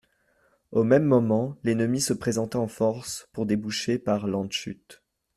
Au même moment, l'ennemi se présenta en force pour déboucher par Landshut.